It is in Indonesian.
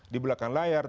di belakang layar